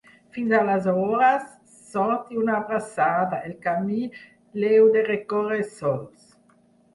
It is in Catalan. Fins aleshores, sort i una abraçada, el camí l’heu de recórrer sols.